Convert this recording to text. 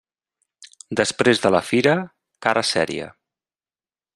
Després de la fira, cara seria.